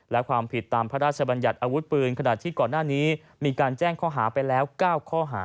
และความผิดตามพระราชบัญญัติอาวุธปืนขณะที่ก่อนหน้านี้มีการแจ้งข้อหาไปแล้ว๙ข้อหา